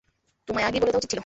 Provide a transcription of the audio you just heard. তোমায় আগেই বলে দেয়া উচিত ছিল।